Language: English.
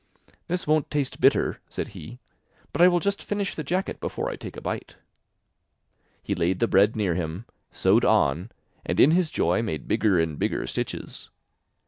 'This won't taste bitter,' said he, 'but I will just finish the jacket before I take a bite.' He laid the bread near him, sewed on, and in his joy, made bigger and bigger stitches.